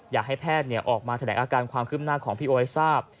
อยากให้แพทย์ออกมาแถลงอาการความคืบหน้าของพี่โอ๊ยทราบ